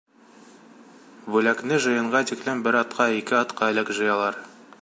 Бүләкне жыйынға тиклем бер атка, ике атҡа элек жыялар.